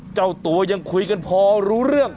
เจ้าตัวยังคุยกันพอรู้เรื่อง